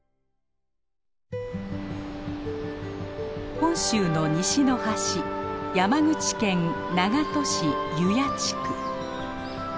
本州の西の端山口県長門市油谷地区。